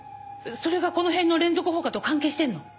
それがこの辺の連続放火と関係してるの？